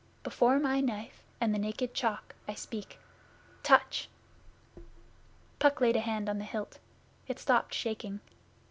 Before my Knife and the Naked Chalk I speak. Touch!' Puck laid a hand on the hilt. It stopped shaking.